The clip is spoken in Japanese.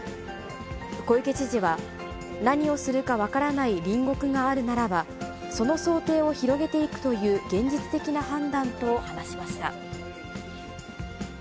小池知事は、何をするか分からない隣国があるならば、その想定を広げていくという現実的な判断と話しました。